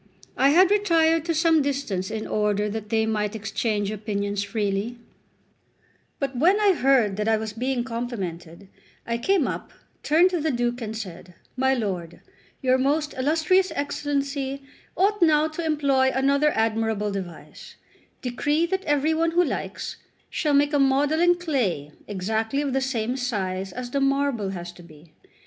I had retired to some distance in order that they might exchange opinions freely; but when I heard that I was being complimented, I came up, turned to the Duke, and said: "My lord, your most illustrious Excellency ought now to employ another admirable device: decree that every one who likes shall make a model in clay exactly of the same size as the marble has to be.